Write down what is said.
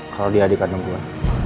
kalau dia dikandung gua